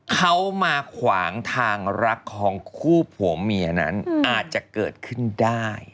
เขามาขวางทางรักของคู่ผัวเมียนั้นอาจจะเกิดขึ้นได้